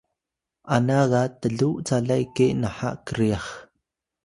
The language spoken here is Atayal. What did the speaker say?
ana ga tlu calay ke naha kryax